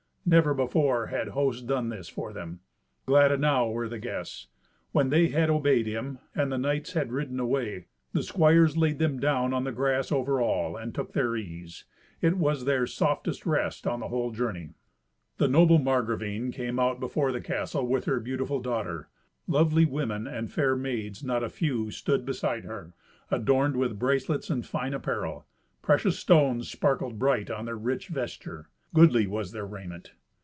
Never before had host done this for them. Glad enow were the guests. When they had obeyed him, and the knights had ridden away, the squires laid them down on the grass over all, and took their ease. It was their softest rest on the whole journey. The noble Margravine came out before the castle with her beautiful daughter. Lovely women and fair maids not a few stood beside her, adorned with bracelets and fine apparel. Precious stones sparked bright on their rich vesture. Goodly was their raiment.